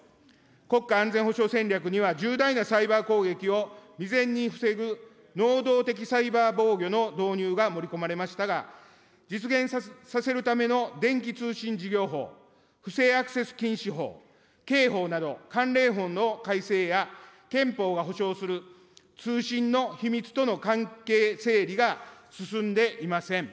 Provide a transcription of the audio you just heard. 国家安全保障戦略には重大なサイバー攻撃を未然に防ぐ、能動的サイバー防御の導入が盛り込まれましたが、実現させるための電気通信事業法、不正アクセス禁止法、刑法など関連法の改正や、憲法が保障する通信の秘密との関係整理が進んでいません。